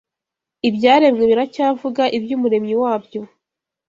Ibyaremwe biracyavuga iby’Umuremyi wabyo.